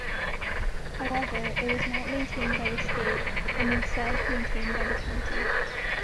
However, it was not maintained by the state, and instead, maintained by the county.